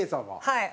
はい。